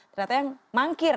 ternyata yang mangkir